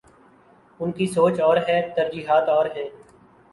ان کی سوچ اور ہے، ترجیحات اور ہیں۔